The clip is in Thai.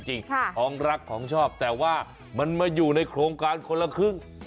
ของรักของชอบแต่ว่ามันมาอยู่ในโครงการคนละครึ่ง